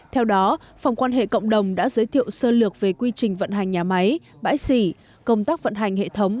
theo đó phòng quan hệ cộng đồng đã giới thiệu sơ lược về quy trình vận hành nhà máy bãi xỉ công tác vận hành hệ thống